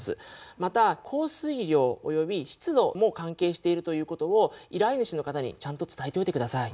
また降水量および湿度も関係しているということを依頼主の方にちゃんと伝えておいてください。